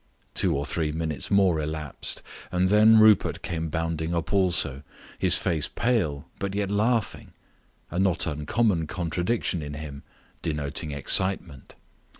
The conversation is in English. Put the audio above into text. Two or three minutes more elapsed, and then Rupert came bounding up also, his face pale but yet laughing; a not uncommon contradiction in him, denoting excitement.